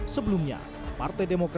sebelumnya partai keadilan sejahtera